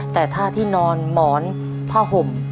แต่ท่าที่นอนหมอนผ้าห่ม